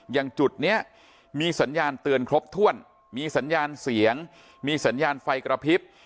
อย่างจุดนี้มีสัญญาณเตือนครบถ้วนมีสัญญาณเสียงมีสัญญาณไฟกระพริบ